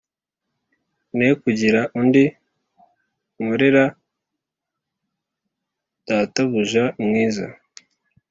Ne kugira undi nkorera databuja mwiza